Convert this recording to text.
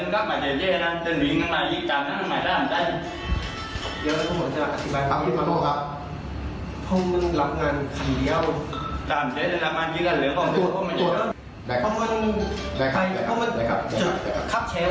ขับแชวายบุกก็ไม่เร็ว